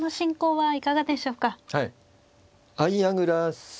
はい。